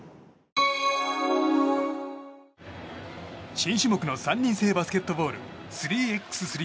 新種目の３人制バスケットボール３×３。